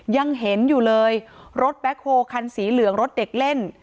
ยังเห็นอยู่เลยรถแบ็คโฮคันสีเหลืองรถเด็กเล่น